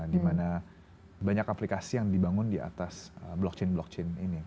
di mana banyak aplikasi yang dibangun di atas blockchain blockchain ini